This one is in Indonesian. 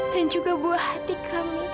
dan juga buah hati kami